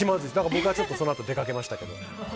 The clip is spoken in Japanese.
僕はそのあと出かけましたけど。